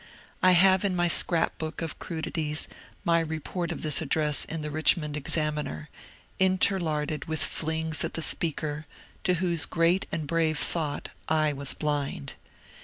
I have in my scrap book of crudities my report of this address in the ^^ Richmond Ebcaminer," interlarded with flings at the speaker, to whose great and brave thought I was blind.